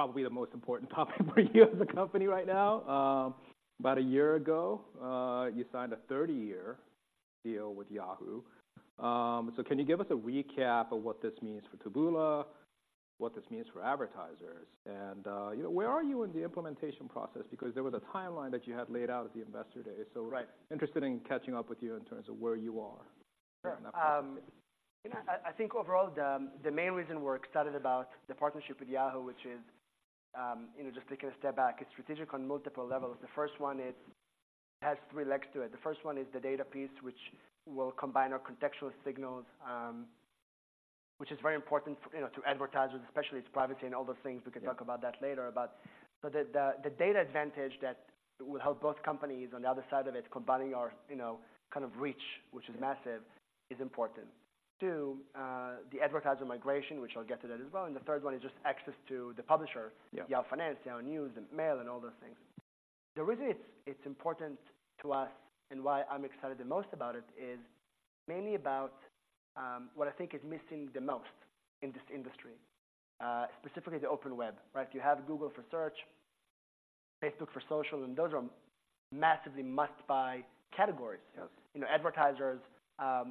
All right, so probably the most important topic for you as a company right now. About a year ago, you signed a 30-year deal with Yahoo. So can you give us a recap of what this means for Taboola, what this means for advertisers? And, you know, where are you in the implementation process? Because there was a timeline that you had laid out at the Investor Day. Right. Interested in catching up with you in terms of where you are in that process. You know, I think overall, the main reason we're excited about the partnership with Yahoo, which is, you know, just taking a step back, it's strategic on multiple levels. The first one is. It has three legs to it. The first one is the data piece, which will combine our contextual signals, which is very important for, you know, to advertisers, especially its privacy and all those things. Yeah. We can talk about that later. But the data advantage that will help both companies on the other side of it, combining our, you know, kind of reach, which is massive is important. Two, the advertiser migration, which I'll get to that as well. And the third one is just access to the publisher. Yeah. Yahoo Finance, Yahoo News and Mail, and all those things. The reason it's important to us and why I'm excited the most about it is mainly about what I think is missing the most in this industry, specifically the open web, right? You have Google for search, Facebook for social, and those are massively must-buy categories. Yes. You know, advertisers,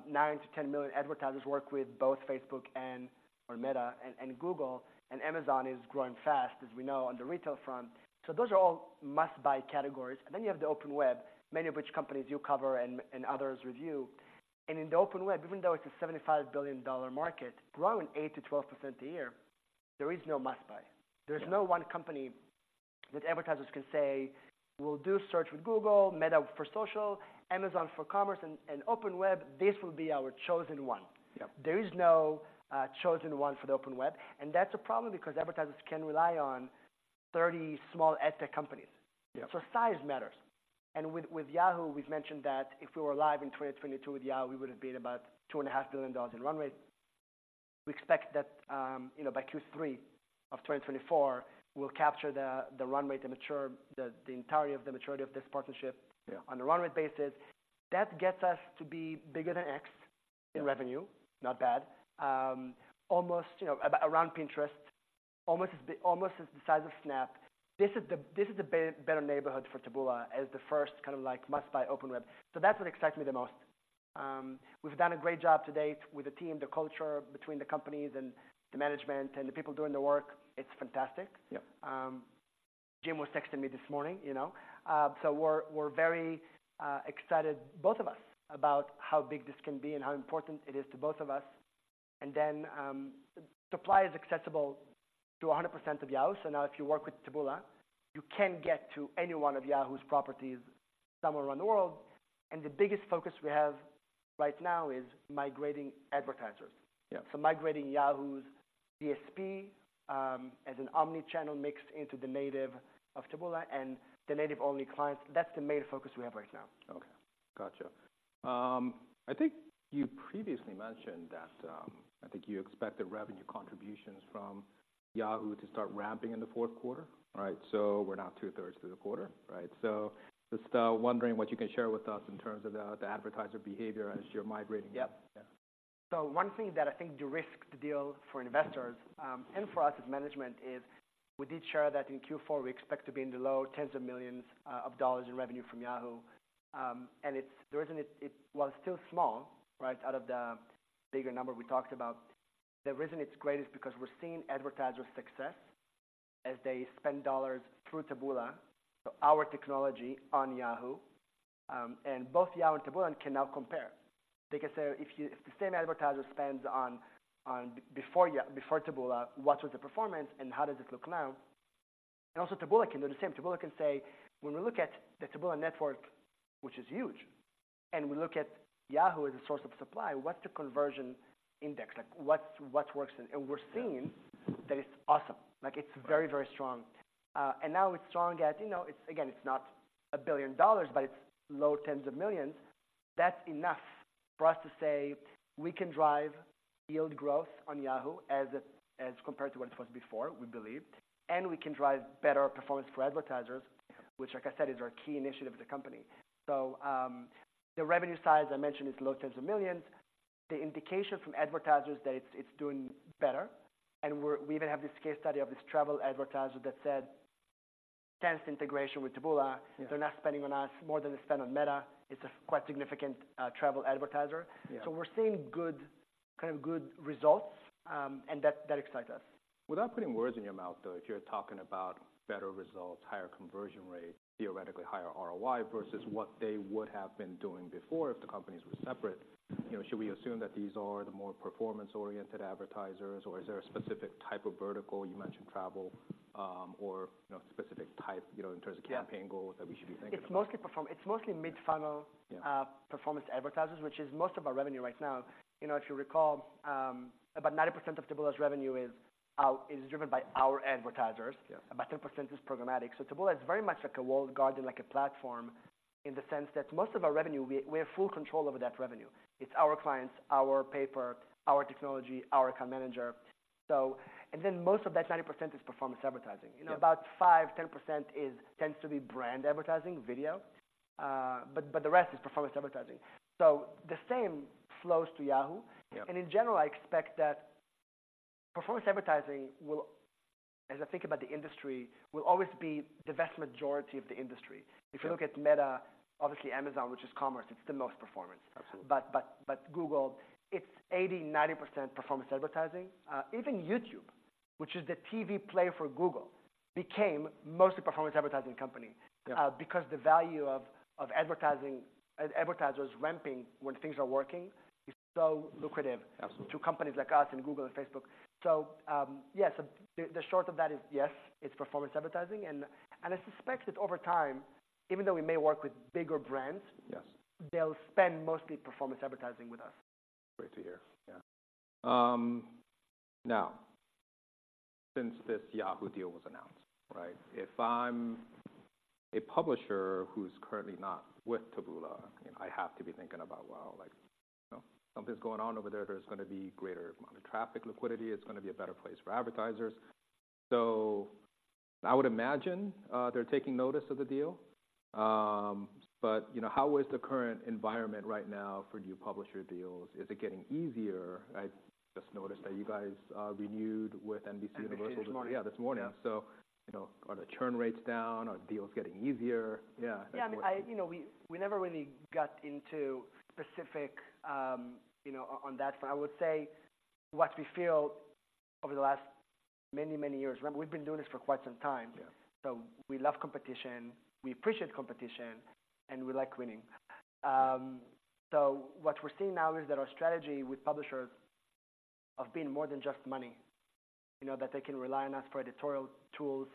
nine to 10 million advertisers work with both Facebook and, or Meta and, and Google, and Amazon is growing fast, as we know, on the retail front. So those are all must-buy categories. And then you have the open web, many of which companies you cover and, and others review. And in the open web, even though it's a $75 billion market, growing 8%-12% a year, there is no must-buy. Yeah. There's no one company that advertisers can say: "We'll do search with Google, Meta for social, Amazon for commerce, and open web, this will be our chosen one". Yep. There is no chosen one for the open web, and that's a problem because advertisers can rely on 30 small ad tech companies. Yeah. Size matters. With Yahoo, we've mentioned that if we were live in 2022 with Yahoo, we would have been about $2.5 billion in run rate. We expect that, you know, by Q3 of 2024, we'll capture the run rate, the mature, the entirety of the maturity of this partnership on a run rate basis. That gets us to be bigger than X in revenue. Not bad. Almost, you know, about around Pinterest, almost as big, almost as the size of Snap. This is the, this is the better neighborhood for Taboola as the first kind of like, must-buy open web. So that's what excites me the most. We've done a great job to date with the team, the culture between the companies and the management, and the people doing the work. It's fantastic. Yep. Jim was texting me this morning, you know? So we're very excited, both of us, about how big this can be and how important it is to both of us. And then, supply is accessible to 100% of Yahoo. So now if you work with Taboola, you can get to any one of Yahoo's properties somewhere around the world, and the biggest focus we have right now is migrating advertisers. Yeah. Migrating Yahoo's DSP, as an omni-channel mixed into the native of Taboola and the native-only clients, that's the main focus we have right now. Okay, gotcha. I think you previously mentioned that, I think you expected revenue contributions from Yahoo to start ramping in the fourth quarter. All right, so we're now two-thirds through the quarter, right? So just, wondering what you can share with us in terms of the, the advertiser behavior as you're migrating. Yep. Yeah. One thing that I think de-risked the deal for investors and for us as management is, we did share that in Q4, we expect to be in the low $10s of millions in revenue from Yahoo. And it's the reason. While still small, right, out of the bigger number we talked about, the reason it's great is because we're seeing advertiser success as they spend dollars through Taboola, so our technology on Yahoo. And both Yahoo and Taboola can now compare. They can say, if the same advertiser spends on before Taboola, what was the performance and how does it look now? And also Taboola can do the same. Taboola can say, when we look at the Taboola network, which is huge, and we look at Yahoo as a source of supply, what's the conversion index? Like, what's, what works? We're seeing that it's awesome. Like, it's very, very strong. And now it's strong at, you know, it's... Again, it's not $1 billion, but it's $10-$20 million. That's enough for us to say we can drive yield growth on Yahoo as compared to what it was before, we believe, and we can drive better performance for advertisers, which, like I said, is our key initiative as a company. So, the revenue size, I mentioned, is $10-$20 million. The indication from advertisers that it's doing better, and we even have this case study of this travel advertiser that said, intense integration with Taboola they're now spending on us more than they spend on Meta. It's a quite significant travel advertiser. Yeah. So we're seeing good, kind of good results, and that excites us. Without putting words in your mouth, though, if you're talking about better results, higher conversion rates, theoretically higher ROI versus what they would have been doing before if the companies were separate, you know, should we assume that these are the more performance-oriented advertisers, or is there a specific type of vertical, you mentioned travel, or, you know, specific type, you know, in terms of campaign goals that we should be thinking about? It's mostly mid-funnel performance advertisers, which is most of our revenue right now. You know, if you recall, about 90% of Taboola's revenue is driven by our advertisers. Yeah. About 10% is programmatic. So Taboola is very much like a walled garden, like a platform, in the sense that most of our revenue, we have full control over that revenue. It's our clients, our paper, our technology, our account manager. So, and then most of that 90% is performance advertising. Yeah. You know, about 5%-10% tends to be brand advertising, video... But the rest is performance advertising. So the same flows to Yahoo! Yeah. In general, I expect that performance advertising will, as I think about the industry, will always be the vast majority of the industry. Yeah. If you look at Meta, obviously Amazon, which is commerce, it's the most performance. Absolutely. But Google, it's 80%-90% performance advertising. Even YouTube, which is the TV play for Google, became mostly performance advertising company- Yeah because the value of advertising, advertisers ramping when things are working is so lucrative- Absolutely To companies like us and Google and Facebook. So, yes, the short of that is, yes, it's performance advertising, and I suspect that over time, even though we may work with bigger brands they'll spend mostly performance advertising with us. Great to hear. Yeah. Now, since this Yahoo deal was announced, right? If I'm a publisher who's currently not with Taboola, I have to be thinking about, well, like, you know, something's going on over there. There's gonna be greater amount of traffic, liquidity, it's gonna be a better place for advertisers. So I would imagine, they're taking notice of the deal. But, you know, how is the current environment right now for new publisher deals? Is it getting easier? I just noticed that you guys renewed with NBCUniversal- This morning. Yeah, this morning. Yeah. You know, are the churn rates down? Are deals getting easier? Yeah. Yeah. You know, we, we never really got into specific, you know, on that front. I would say, what we feel over the last many, many years, remember, we've been doing this for quite some time. Yeah. So we love competition, we appreciate competition, and we like winning. So what we're seeing now is that our strategy with publishers of being more than just money, you know, that they can rely on us for editorial tools.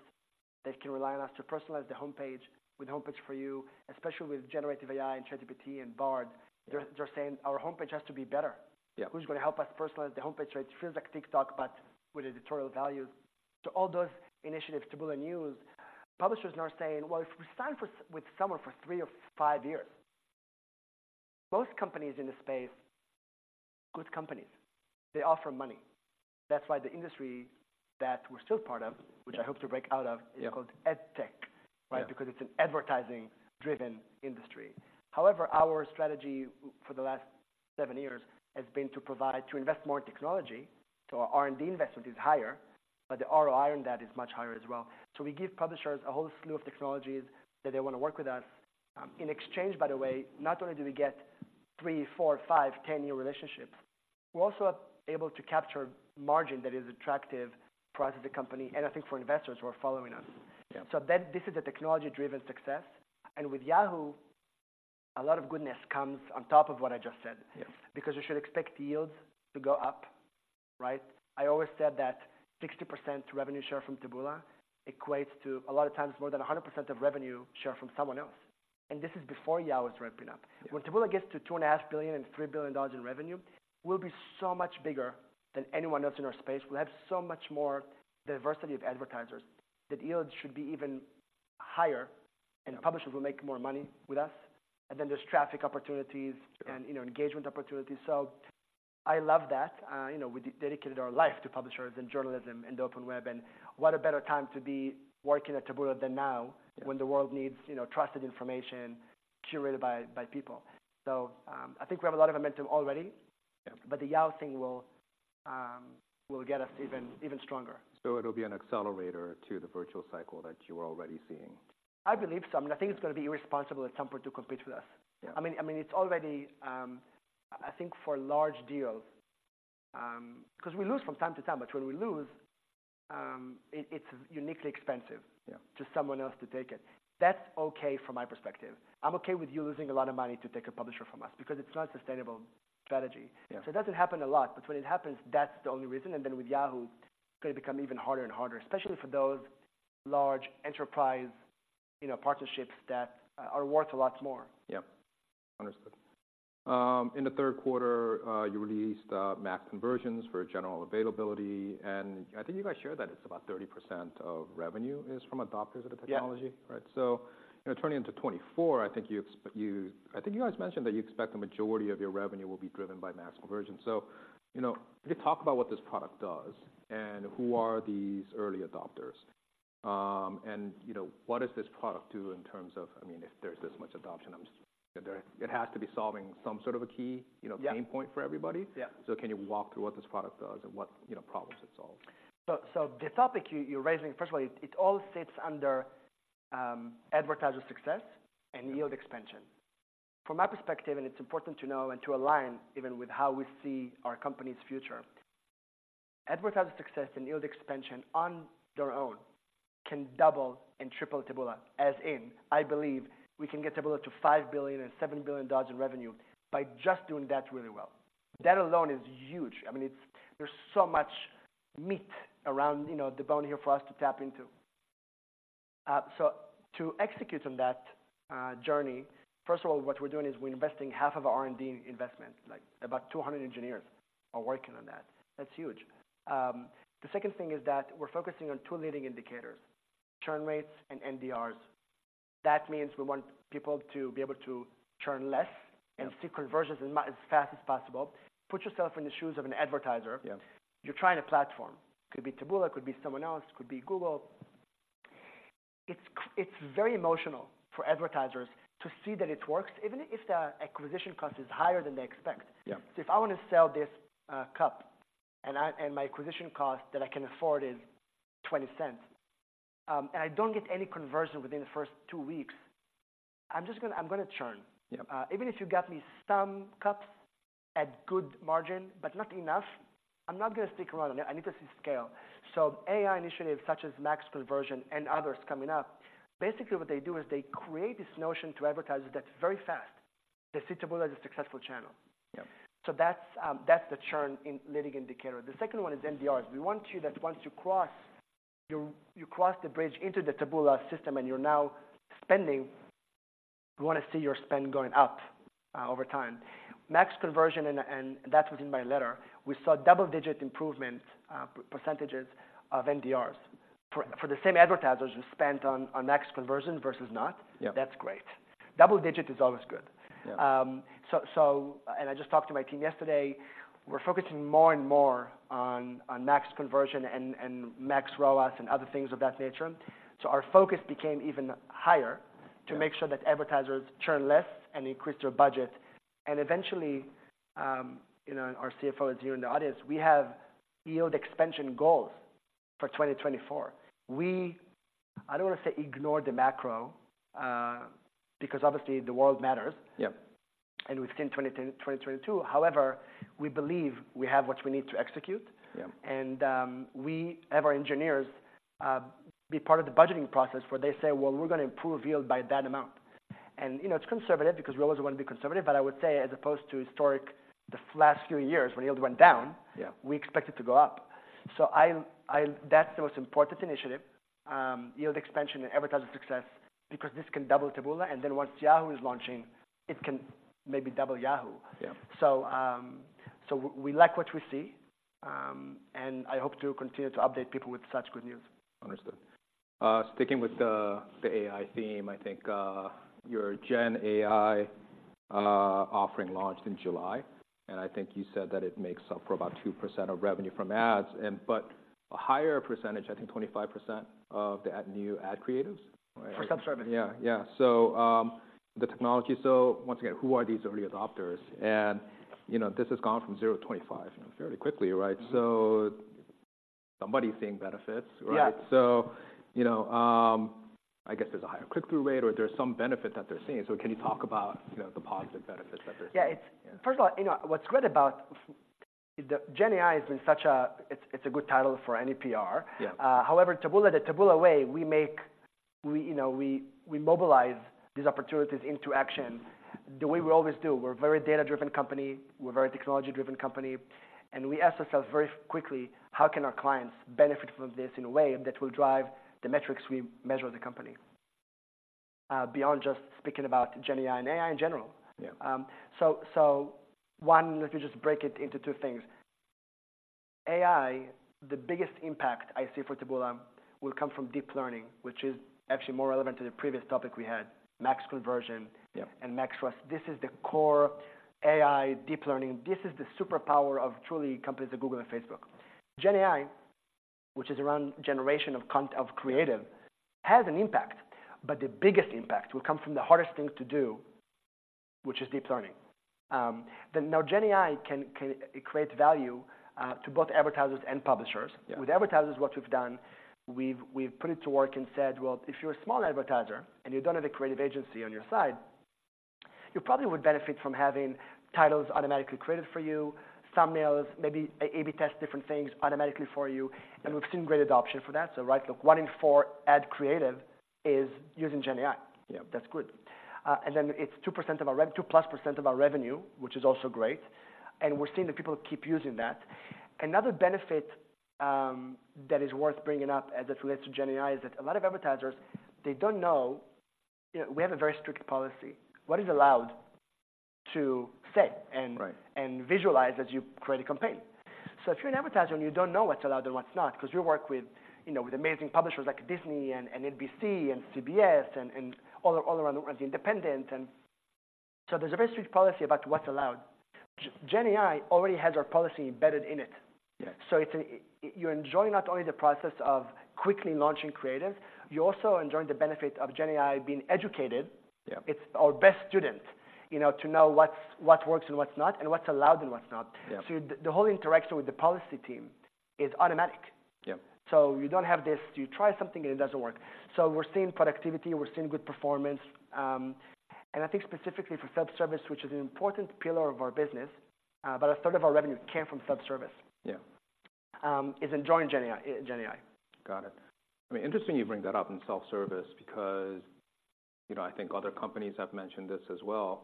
They can rely on us to personalize their homepage with Homepage for You, especially with generative AI, and ChatGPT, and Bard. Yeah. They're saying our homepage has to be better. Yeah. Who's gonna help us personalize the homepage, so it feels like TikTok, but with editorial values? To all those initiatives, Taboola News, publishers are now saying, "Well, if we sign with someone for three or five years, most companies in the space, good companies, they offer money." That's why the industry that we're still part of which I hope to break out of is called Ad Tech. Yeah. Right? Because it's an advertising-driven industry. However, our strategy for the last seven years has been to provide, to invest more in technology. So our R&D investment is higher, but the ROI on that is much higher as well. So we give publishers a whole slew of technologies that they want to work with us. In exchange, by the way, not only do we get three, four, five, 10-year relationships, we're also able to capture margin that is attractive for us as a company, and I think for investors who are following us. Yeah. This is a technology-driven success, and with Yahoo, a lot of goodness comes on top of what I just said. Yes. Because you should expect yields to go up, right? I always said that 60% revenue share from Taboola equates to a lot of times more than 100% of revenue share from someone else, and this is before Yahoo is ramping up. Yeah. When Taboola gets to $2.5 billion-$3 billion in revenue, we'll be so much bigger than anyone else in our space. We'll have so much more diversity of advertisers that yields should be even higher, and publishers will make more money with us. And then there's traffic opportunities- and, you know, engagement opportunities. So I love that. You know, we dedicated our life to publishers, and journalism, and the open web, and what a better time to be working at Taboola than now- when the world needs, you know, trusted information curated by, by people. So, I think we have a lot of momentum already but the Yahoo thing will get us even stronger. It'll be an accelerator to the virtuous cycle that you are already seeing? I believe so. I mean, I think it's gonna be irresponsible at some point to compete with us. Yeah. I mean, it's already, I think for large deals, because we lose from time to time, but when we lose, it's uniquely expensive to someone else to take it. That's okay from my perspective. I'm okay with you losing a lot of money to take a publisher from us because it's not a sustainable strategy. Yeah. It doesn't happen a lot, but when it happens, that's the only reason. Then with Yahoo, it's gonna become even harder and harder, especially for those large enterprise, you know, partnerships that are worth a lot more. Yeah. Understood. In the third quarter, you released Max Conversions for general availability, and I think you guys shared that it's about 30% of revenue is from adopters of the technology. Yeah. Right? So, you know, turning into 2024, I think you guys mentioned that you expect the majority of your revenue will be driven by Max Conversions. So, you know, can you talk about what this product does, and who are these early adopters? And you know, what does this product do in terms of I mean, if there's this much adoption, it has to be solving some sort of a key, you know, pain point for everybody. Yeah. Can you walk through what this product does and what, you know, problems it solves? The topic you're raising, first of all, it all sits under advertiser success and yield expansion. From my perspective, and it's important to know and to align even with how we see our company's future, advertiser success and yield expansion on their own can double and triple Taboola. As in, I believe we can get Taboola to $5 billion and $7 billion in revenue by just doing that really well. That alone is huge. I mean, it's. There's so much meat around, you know, the bone here for us to tap into. So to execute on that journey, first of all, what we're doing is we're investing half of our R&D investment. Like, about 200 engineers are working on that. That's huge. The second thing is that we're focusing on two leading indicators: churn rates and NDRs. That means we want people to be able to churn less and see conversions as fast as possible. Put yourself in the shoes of an advertiser. Yeah. You're trying a platform. Could be Taboola, could be someone else, could be Google. It'svery emotional for advertisers to see that it works, even if the acquisition cost is higher than they expect. Yeah. So if I want to sell this cup, and my acquisition cost that I can afford is $0.20, and I don't get any conversion within the first two weeks, I'm just gonna churn. Yeah. Even if you got me some cups at good margin, but not enough, I'm not gonna stick around. I need to see scale. So AI initiatives such as Max Conversion and others coming up, basically what they do is they create this notion to advertisers that's very fast. They see Taboola as a successful channel. Yeah. So that's the churn in leading indicator. The second one is NDRs. We want you that once you cross the bridge into the Taboola system and you're now spending, we want to see your spend going up over time. Max Conversions, and that's within my letter, we saw double-digit improvement percentages of NDRs. For the same advertisers who spent on Max Conversions versus not- Yeah. That's great. Double-digit is always good. Yeah. I just talked to my team yesterday, we're focusing more and more on Max Conversion and Max ROAS, and other things of that nature. So our focus became even higher- Yeah To make sure that advertisers churn less and increase their budget. Eventually, you know, our CFO is here in the audience, we have yield expansion goals for 2024. I don't want to say ignore the macro, because obviously the world matters. Yeah. We've seen 2022. However, we believe we have what we need to execute. Yeah. We have our engineers be part of the budgeting process, where they say: "Well, we're going to improve yield by that amount." And, you know, it's conservative because we always want to be conservative, but I would say, as opposed to historic, the last few years, when yield went down- Yeah We expect it to go up. So I, that's the most important initiative, yield expansion and advertiser success, because this can double Taboola, and then once Yahoo is launching, it can maybe double Yahoo. Yeah. So, we like what we see, and I hope to continue to update people with such good news. Understood. Sticking with the AI theme, I think your Gen AI offering launched in July, and I think you said that it makes up for about 2% of revenue from ads and, but a higher percentage, I think 25% of the ad new ad creatives, right? For self-service. Yeah, yeah. So, the technology, so once again, who are these early adopters? And, you know, this has gone from zero to 25, you know, fairly quickly, right? So somebody's seeing benefits, right? Yeah. So, you know, I guess there's a higher click-through rate or there's some benefit that they're seeing. So can you talk about, you know, the positive benefits that they're seeing? Yeah, it's first of all, you know, what's great about-the Gen AI has been such a—it's a good title for any PR. Yeah. However, Taboola, the Taboola way, we mobilize these opportunities into action the way we always do. We're a very data-driven company, we're a very technology-driven company, and we ask ourselves very quickly, how can our clients benefit from this in a way that will drive the metrics we measure the company beyond just speaking about Gen AI and AI in general? Yeah. So, one, let me just break it into two things. AI, the biggest impact I see for Taboola will come from deep learning, which is actually more relevant to the previous topic we had, max conversion- Yeah and Max ROAS. This is the core AI deep learning. This is the superpower of truly companies like Google and Facebook. Gen AI, which is around generation of creative, has an impact, but the biggest impact will come from the hardest thing to do, which is deep learning. Then now Gen AI can create value to both advertisers and publishers. Yeah. With advertisers, what we've done, we've put it to work and said, "Well, if you're a small advertiser and you don't have a creative agency on your side, you probably would benefit from having titles automatically created for you, thumbnails, maybe A/B test different things automatically for you. Yeah. We've seen great adoption for that. Right, look, 1 in 4 ad creative is using Gen AI. Yeah. That's good. And then it's 2% of our revenue, 2+% of our revenue, which is also great, and we're seeing that people keep using that. Another benefit that is worth bringing up as it relates to Gen AI is that a lot of advertisers, they don't know... We have a very strict policy, what is allowed to say- Right and visualize as you create a campaign. So if you're an advertiser and you don't know what's allowed and what's not, 'cause we work with, you know, with amazing publishers like Disney and NBC and CBS and all around the world, The Independent. And so there's a very strict policy about what's allowed. Gen AI already has our policy embedded in it. Yeah. So it's... You're enjoying not only the process of quickly launching creative, you're also enjoying the benefit of Gen AI being educated. Yeah. It's our best student, you know, to know what works and what's not, and what's allowed and what's not. Yeah. So the whole interaction with the policy team is automatic. Yeah. So you don't have this, you try something and it doesn't work. So we're seeing productivity, we're seeing good performance. And I think specifically for self-service, which is an important pillar of our business, but a third of our revenue came from self-service- Yeah is enjoying Gen AI, Gen AI. Got it. I mean, interesting you bring that up in self-service because, you know, I think other companies have mentioned this as well,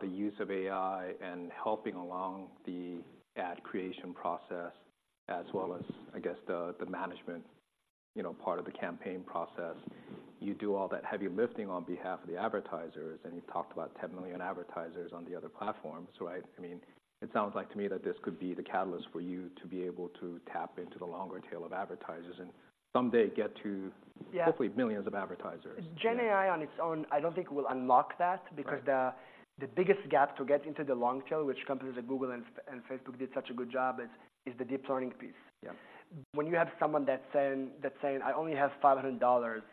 the use of AI and helping along the ad creation process, as well as, I guess, the management, you know, part of the campaign process. You do all that heavy lifting on behalf of the advertisers, and you've talked about 10 million advertisers on the other platform. So I mean, it sounds like to me that this could be the catalyst for you to be able to tap into the longer tail of advertisers, and someday get to Hopefully, millions of advertisers. Gen AI on its own, I don't think will unlock that- Right because the biggest gap to get into the long tail, which companies like Google and Facebook did such a good job is the deep learning piece. Yeah. When you have someone that's saying, "I only have $500" –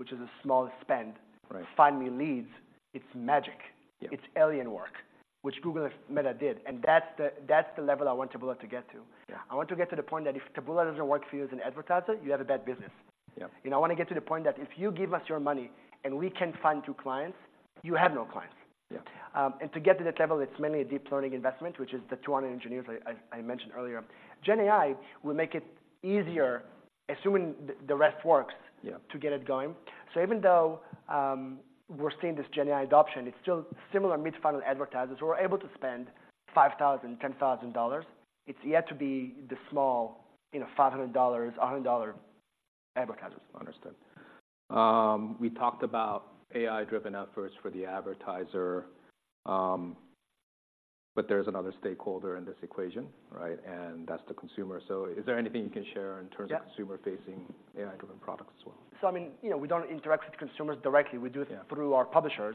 which is a small spend- Right. Find me leads, it's magic. Yeah. It's alien work, which Google and Meta did, and that's the level I want Taboola to get to. Yeah. I want to get to the point that if Taboola doesn't work for you as an advertiser, you have a bad business. Yeah. I wanna get to the point that if you give us your money and we can't find you clients, you have no clients. Yeah. To get to that level, it's mainly a deep learning investment, which is the 200 engineers I mentioned earlier. Gen AI will make it easier, assuming the rest works to get it going. So even though we're seeing this Gen AI adoption, it's still similar mid-funnel advertisers who are able to spend $5,000, $10,000. It's yet to be the small, you know, $500, $100 advertisers. Understood. We talked about AI-driven efforts for the advertiser, but there's another stakeholder in this equation, right? And that's the consumer. So is there anything you can share in terms of- Yeah consumer-facing AI-driven products as well? I mean, you know, we don't interact with consumers directly. Yeah. We do it through our publishers.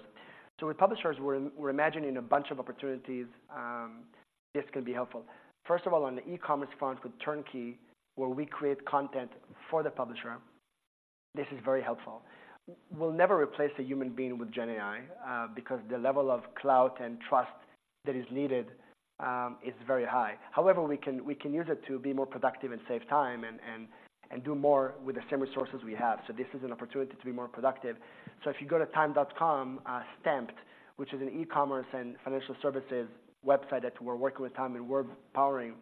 So with publishers, we're imagining a bunch of opportunities, this could be helpful. First of all, on the e-commerce front, with Turnkey, where we create content for the publisher, this is very helpful. We'll never replace a human being with Gen AI, because the level of clout and trust that is needed is very high. However, we can use it to be more productive and save time and do more with the same resources we have. So this is an opportunity to be more productive. So if you go to time.com, Stamped, which is an e-commerce and financial services website that we're working with Time, and we're powering,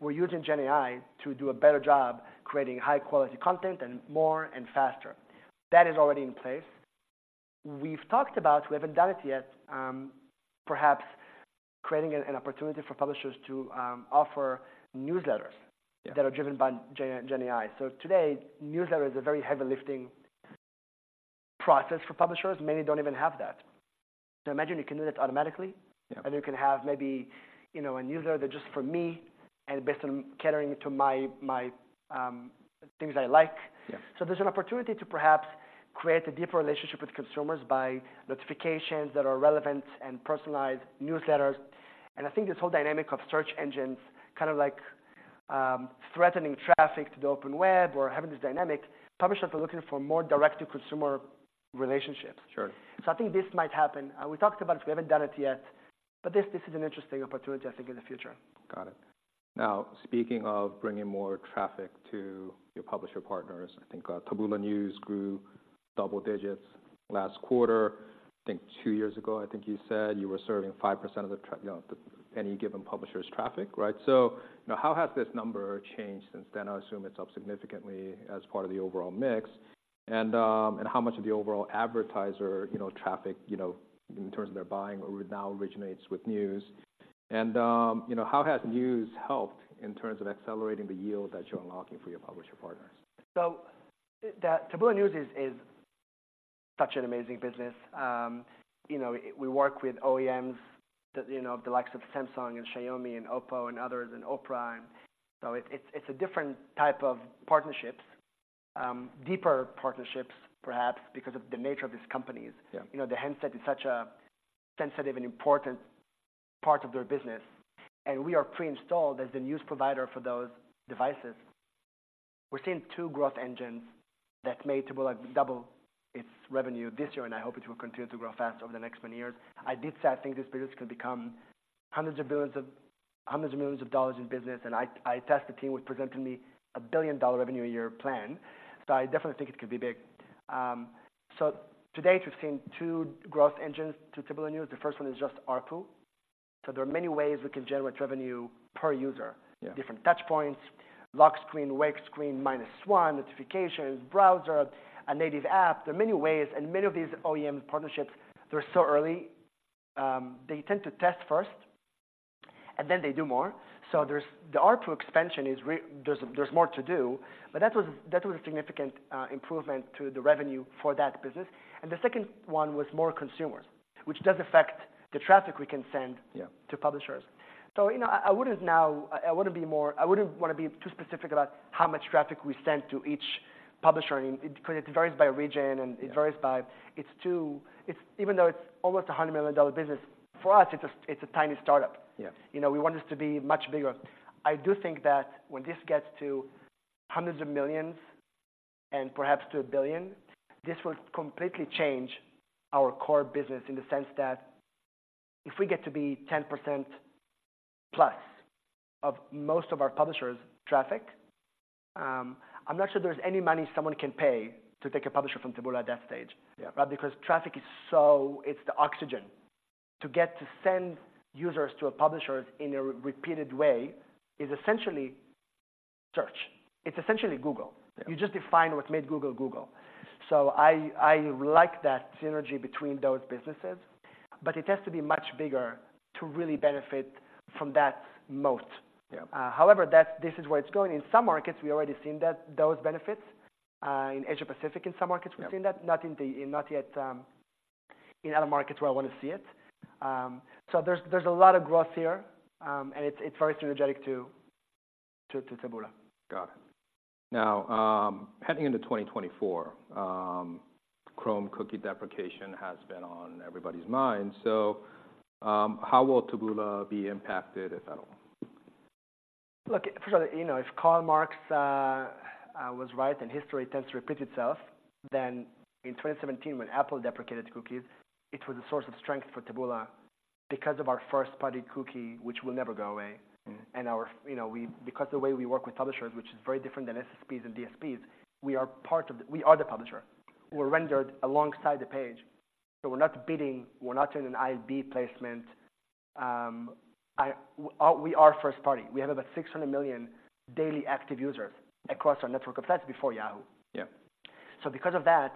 we're using Gen AI to do a better job creating high-quality content and more and faster. That is already in place. We've talked about, we haven't done it yet, perhaps creating an opportunity for publishers to offer newsletters. Yeah that are driven by Gen AI. So today, newsletter is a very heavy lifting process for publishers. Many don't even have that. So imagine you can do that automatically. Yeah. You can have maybe, you know, a newsletter that's just for me and based on catering to my things I like. Yeah. There's an opportunity to perhaps create a deeper relationship with consumers by notifications that are relevant and personalized newsletters. I think this whole dynamic of search engines, kind of like, threatening traffic to the Open Web or having this dynamic, publishers are looking for more direct-to-consumer relationships. Sure. I think this might happen. We talked about it, we haven't done it yet, but this, this is an interesting opportunity, I think, in the future. Got it. Now, speaking of bringing more traffic to your publisher partners, I think, Taboola News grew double digits last quarter. I think two years ago, I think you said you were serving 5% of the traffic, you know, any given publisher's traffic, right? So, you know, how has this number changed since then? I assume it's up significantly as part of the overall mix. And how much of the overall advertiser, you know, traffic, you know, in terms of their buying or now originates with news? And, you know, how has News helped in terms of accelerating the yield that you're unlocking for your publisher partners? So the Taboola News is such an amazing business. You know, we work with OEMs that, you know, of the likes of Samsung and Xiaomi and Oppo and others. So it's a different type of partnerships, deeper partnerships, perhaps because of the nature of these companies. Yeah. You know, the handset is such a sensitive and important part of their business, and we are pre-installed as the news provider for those devices. We're seeing two growth engines that made Taboola double its revenue this year, and I hope it will continue to grow fast over the next many years. I did say I think this business could become hundreds of billions, of hundreds of millions of dollars in business, and I asked the team with presenting me a billion-dollar revenue a year plan. So I definitely think it could be big. So today we've seen two growth engines to Taboola News. The first one is just ARPU. So there are many ways we can generate revenue per user. Yeah. Different touch points, lock screen, wake screen, minus one, notifications, browser, a native app. There are many ways, and many of these OEM partnerships, they're so early. They tend to test first, and then they do more. So there's the ARPU expansion. There's more to do, but that was a significant improvement to the revenue for that business. And the second one was more consumers, which does affect the traffic we can send- Yeah to publishers. So, you know, I wouldn't want to be too specific about how much traffic we send to each publisher. It varies by region, and even though it's almost a $100 million business, for us, it's a, it's a tiny startup. Yeah. You know, we want this to be much bigger. I do think that when this gets to hundreds of millions and perhaps to 1 billion, this will completely change our core business in the sense that if we get to be 10%+ of most of our publishers' traffic, I'm not sure there's any money someone can pay to take a publisher from Taboola at that stage. Yeah. Because traffic is so... it's the oxygen. To get to send users to a publisher in a repeated way is essentially search. It's essentially Google. Yeah. You just defined what made Google, Google. So I like that synergy between those businesses, but it has to be much bigger to really benefit from that most. Yeah. However, this is where it's going. In some markets, we've already seen that, those benefits. In Asia Pacific, in some markets we've seen that. Not yet in other markets where I want to see it. So there's a lot of growth here, and it's very strategic to Taboola. Got it. Now, heading into 2024, Chrome cookie deprecation has been on everybody's mind. So, how will Taboola be impacted, if at all? Look, first of all, you know, if Karl Marx was right, and history tends to repeat itself, then in 2017, when Apple deprecated cookies, it was a source of strength for Taboola because of our first-party cookie, which will never go away. You know, because the way we work with publishers, which is very different than SSPs and DSPs, we are part of, we are the publisher. We're rendered alongside the page, so we're not bidding, we're not doing an IB placement. We are first party. We have about 600 million daily active users across our network of sites before Yahoo. Yeah. So because of that,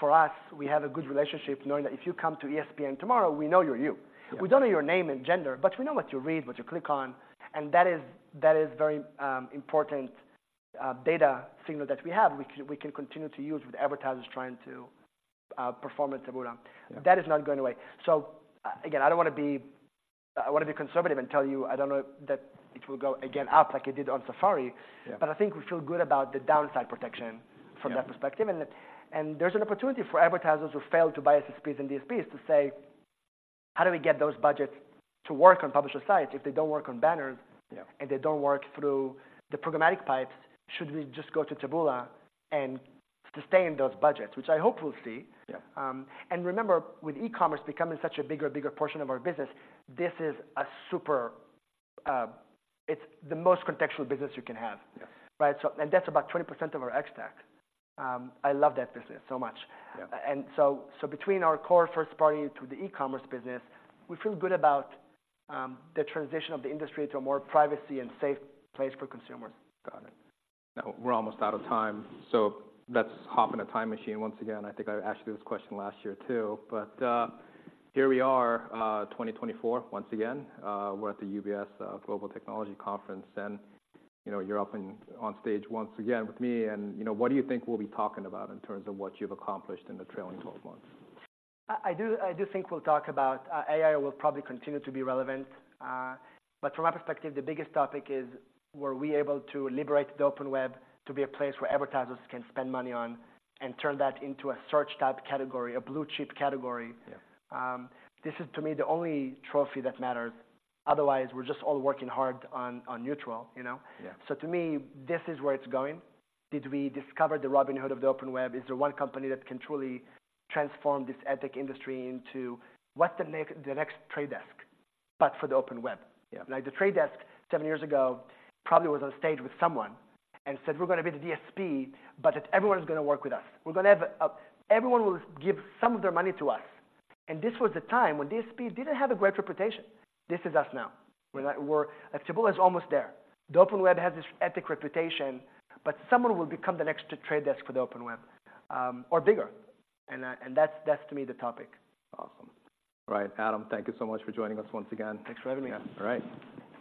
for us, we have a good relationship, knowing that if you come to ESPN tomorrow, we know you're you. Yeah. We don't know your name and gender, but we know what you read, what you click on, and that is very important data signal that we have, we can continue to use with advertisers trying to perform at Taboola. Yeah. That is not going away. So, again, I don't want to be-- I want to be conservative and tell you, I don't know that it will go again up like it did on Safari. Yeah. But I think we feel good about the downside protection- Yeah from that perspective. And there's an opportunity for advertisers who fail to buy SSPs and DSPs to say, "How do we get those budgets to work on publisher sites if they don't work on banners- Yeah and they don't work through the programmatic pipes? Should we just go to Taboola and sustain those budgets?" Which I hope we'll see. Yeah. Remember, with e-commerce becoming such a bigger, bigger portion of our business, this is a super, it's the most contextual business you can have. Yeah. Right? So... And that's about 20% of our ex-TAC. I love that business so much. Yeah. And so between our core first-party to the e-commerce business, we feel good about the transition of the industry to a more privacy-safe place for consumers. Got it. Now, we're almost out of time, so let's hop in a time machine once again. I think I asked you this question last year, too. But here we are, 2024 once again. We're at the UBS Global Technology Conference, and, you know, you're up in-- on stage once again with me and, you know, what do you think we'll be talking about in terms of what you've accomplished in the trailing twelve months? I do think we'll talk about AI. AI will probably continue to be relevant. But from my perspective, the biggest topic is: Were we able to liberate the Open Web to be a place where advertisers can spend money on and turn that into a search-type category, a blue-chip category? Yeah. This is, to me, the only trophy that matters. Otherwise, we're just all working hard on neutral, you know? Yeah. So to me, this is where it's going. Did we discover the Robinhood of the Open Web? Is there one company that can truly transform this Ad Tech industry into what's the next, the next The Trade Desk, but for the Open Web? Yeah. Like, The Trade Desk, 7 years ago, probably was on stage with someone and said, "We're going to be the DSP, but everyone is going to work with us. We're going to have everyone will give some of their money to us." And this was the time when DSP didn't have a great reputation. This is us now. We're not. Taboola is almost there. The Open Web has this Ad Tech reputation, but someone will become the next The Trade Desk for the Open Web, or bigger, and, and that's, that's to me, the topic. Awesome. All right, Adam, thank you so much for joining us once again. Thanks for having me. All right.